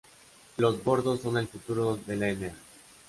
Los bordos son el fruto de la enea.